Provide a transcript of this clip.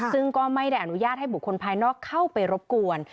ซึ่งก็ไม่ได้อนุญาตให้บุคคลภายนอกเข้าไปรบกวน